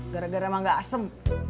gara gara emang gak asem